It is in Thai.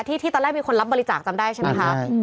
ที่ตอนแรกมีคนรับบริจาคทั้งได้ใช่มั้ยครับ